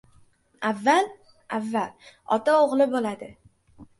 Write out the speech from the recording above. Avval-avval, ota o‘g‘li bo‘ladi.